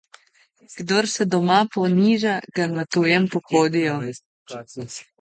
Kdor se doma poniža, ga na tujem pohodijo.